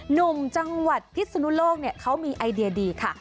หนุ่มจังหวัดพิศนุโลกเขามีไอเดียดีค่ะ